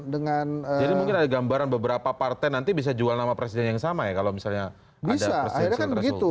jadi mungkin ada gambaran beberapa partai nanti bisa jual nama presiden yang sama ya kalau misalnya ada persensi yang tersulit